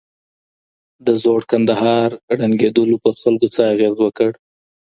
د زوړ کندهار ړنګېدلو پر خلګو څه اغېز وکړ؟